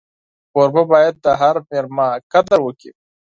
کوربه باید د هر مېلمه قدر وکړي.